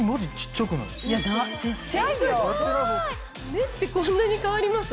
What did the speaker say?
目ってこんなに変わります？